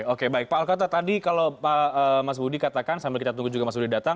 oke baik pak alkota tadi kalau mas budi katakan sambil kita tunggu juga mas budi datang